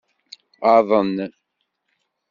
Aḍen.